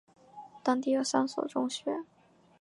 当地有三所中学。